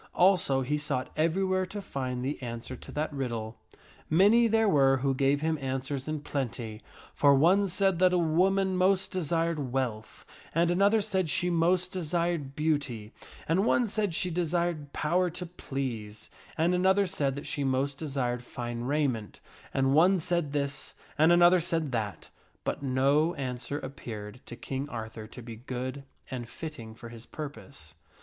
Also he sought everywhere to find the answer to that riddle. Many there were who gave him answers in plenty, for one said that a woman most desired wealth, and another said she most desired beauty, and one said she desired power to please, and another said that she most desired fine raiment ; and one said this, and another said that ; but no answer appeared to King Arthur to be good and fitting for his purpose.